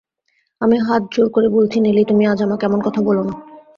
আমি হাত জোড় করে বলছি নেলি, তুমি আজ আমাকে এমন কথা বোলো না।